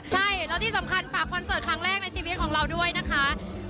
ใช่แล้วที่สำคัญฝากคอนเสิร์ตครั้งแรกในชีวิตของเราด้วยนะคะ